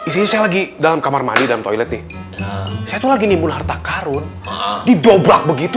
saya lagi dalam kamar mandi dan toilet nih itu lagi nih mula harta karun didobrak begitu